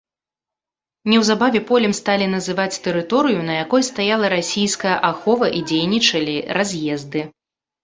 Неўзабаве полем сталі называць тэрыторыю, на якой стаяла расійская ахова і дзейнічалі раз'езды.